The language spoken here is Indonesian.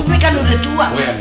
bumi kan udah dua